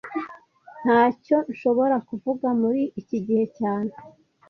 Ntacyo nshobora kuvuga muri iki gihe cyane